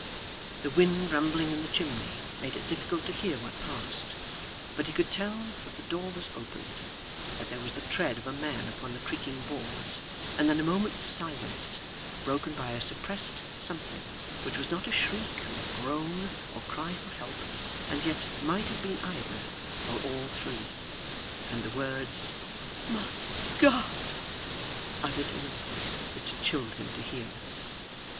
The wind rumbling in the chimney made it difficult to hear what passed, but he could tell that the door was opened, that there was the tread of a man upon the creaking boards, and then a moment's silence broken by a suppressed something which was not a shriek, or groan, or cry for help, and yet might have been either or all three; and the words 'My God!' uttered in a voice it chilled him to hear.